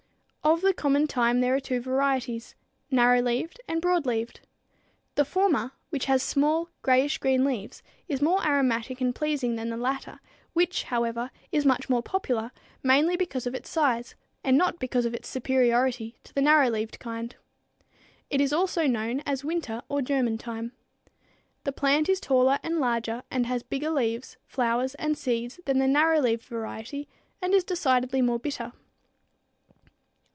Of the common thyme there are two varieties: narrow leaved and broad leaved. The former, which has small grayish green leaves, is more aromatic and pleasing than the latter, which, however, is much more popular, mainly because of its size, and not because of its superiority to the narrow leaved kind. It is also known as winter or German thyme. The plant is taller and larger and has bigger leaves, flowers and seeds than the narrow leaved variety and is decidedly more bitter.